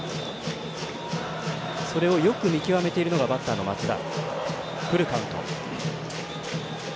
それをよく見極めているのがバッターの松田。